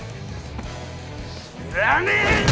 知らねえよ！